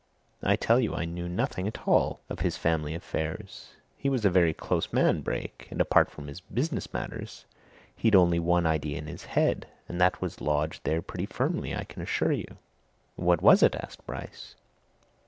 I tell you I knew nothing at all of his family affairs! He was a very close man, Brake, and apart from his business matters, he'd only one idea in his head, and that was lodged there pretty firmly, I can assure you!" "What was it?" asked Bryce.